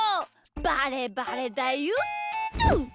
バレバレだよっと！